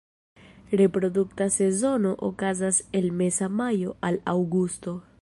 Reprodukta sezono okazas el meza majo al aŭgusto.